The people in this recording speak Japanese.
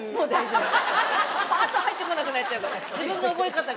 あと入ってこなくなっちゃうから自分の覚え方があるから。